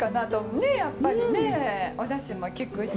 ねえやっぱりねおだしも効くし。